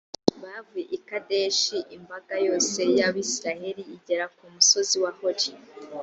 bavuye i kadeshi, imbaga yose y’abayisraheli igera ku musozi wa hori.